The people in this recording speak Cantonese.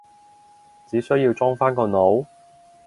只需要裝返個腦？